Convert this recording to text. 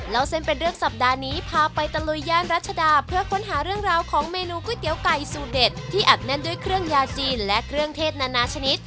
แล้วเส้นเป็นเรื่องสัปดาห์นี้พาไปตะลุยย่านรัชดาเพื่อค้นหาเรื่องราวของเมนูก๋วยเตี๋ยวไก่สูตรเด็ดที่อัดแน่นด้วยเครื่องยาจีนและเครื่องเทศนานาชนิด